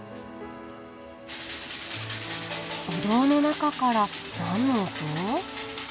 お堂の中から何の音？